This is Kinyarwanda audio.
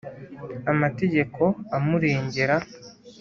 amategeko amurengera.